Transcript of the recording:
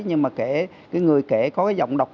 nhưng mà kể cái người kể có cái giọng độc